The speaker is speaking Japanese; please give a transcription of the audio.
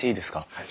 はい。